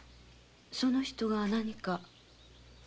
その人が何か？